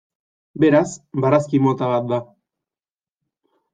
Beraz, barazki mota bat da.